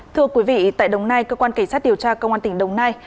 thưa quý vị tại đồng nai cơ quan cảnh sát điều tra công an tỉnh đồng nai